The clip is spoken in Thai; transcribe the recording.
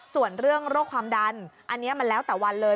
ส่วนเรื่องโรคความดันอันนี้มันแล้วแต่วันเลย